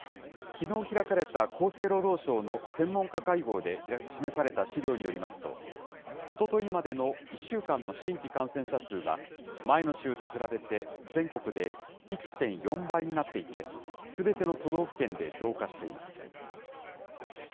きのう開かれた厚生労働省の専門家会合で示された資料によりますと、おとといまでの１週間の新規感染者数は、前の週と比べて全国で１．４倍になっていて、すべての都道府県で増加しています。